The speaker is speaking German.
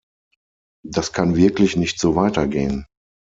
Das kann wirklich nicht so weitergehen.